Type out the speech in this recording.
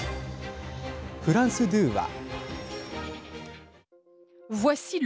フランス２は。